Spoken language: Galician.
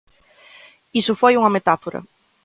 Iso foi unha metáfora.